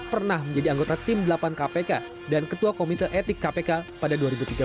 pernah menjadi anggota tim delapan kpk dan ketua komite etik kpk pada dua ribu tiga belas